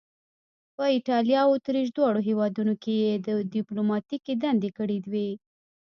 په ایټالیا او اتریش دواړو هیوادونو کې یې دیپلوماتیکې دندې کړې وې.